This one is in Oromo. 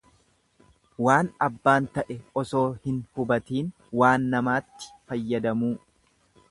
Waan abbaan ta'e osoo hin hubatiin waan namaatti fayyadamuu.